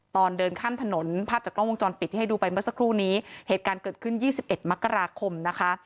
ตอนเดินข้ามถนนภาพจากกล้องวงจรปิดที่ให้ดูไปเมื่อสักครู่นี้เหตุการณ์เกิดขึ้น๒๑มกราคมนะคะ